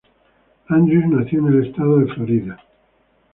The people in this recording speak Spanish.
Andrews nació en el estado de Florida.